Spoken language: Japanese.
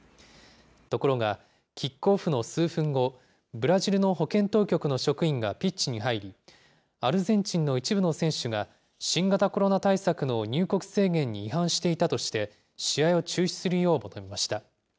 ところが、キックオフの数分後、ブラジルの保健当局の職員がピッチに入り、アルゼンチンの一部の選手が新型コロナ対策の入国制限に違反していたとして、試合を中止するよう求めました。